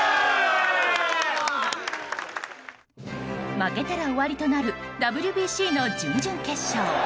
負けたら終わりとなるＷＢＣの準々決勝。